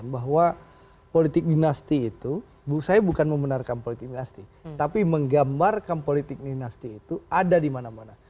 bahwa politik dinasti itu saya bukan membenarkan politik dinasti tapi menggambarkan politik dinasti itu ada di mana mana